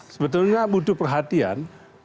sebetulnya butuh perhatian